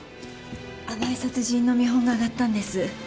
『甘い殺人』の見本があがったんです。